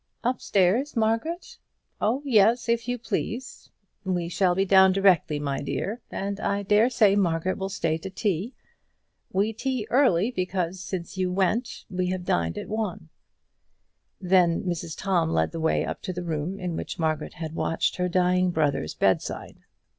"Upstairs, Margaret? Oh yes, if you please. We shall be down directly, my dear, and I dare say Margaret will stay to tea. We tea early, because, since you went, we have dined at one." Then Mrs Tom led the way up to the room in which Margaret had watched by her dying brother's bed side.